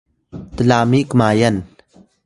tlami kmayan